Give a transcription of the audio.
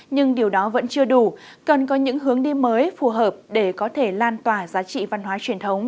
nhưng điều đó vẫn chưa đủ cần có những hướng đi mới phù hợp để có thể lan tỏa giá trị văn hóa truyền thống